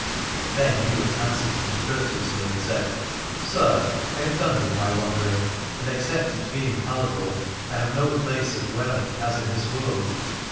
Then Ywain answered him courteously and said : Sir, I have done with my wandering, and except it be in Paladore I have no place of dwelling, as in this world.